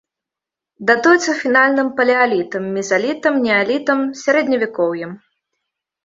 Датуецца фінальным палеалітам, мезалітам, неалітам, сярэдневякоўем.